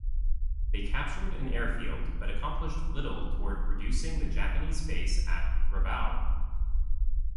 They captured an airfield but accomplished little toward reducing the Japanese base at Rabaul.